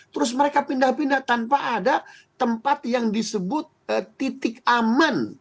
terus mereka pindah pindah tanpa ada tempat yang disebut titik aman